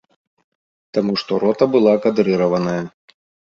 Таму што рота была кадрыраваная.